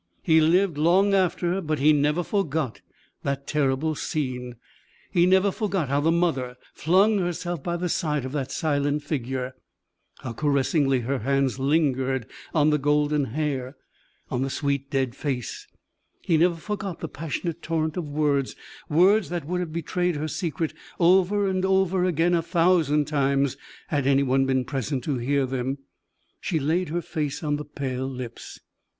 He lived long after, but he never forgot that terrible scene; he never forgot how the mother flung herself by the side of that silent figure how caressingly her hands lingered on the golden hair, on the sweet, dead face; he never forgot the passionate torrent of words words that would have betrayed her secret over and over again a thousand times had any one been present to hear them. She laid her face on the pale lips.